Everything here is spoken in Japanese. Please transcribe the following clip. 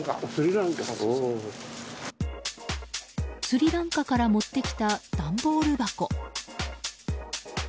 スリランカから持ってきた段ボール箱。